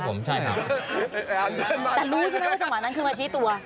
แต่รู้ใช่ไหมว่าจังหวะนั้นคือมาชี้ตัว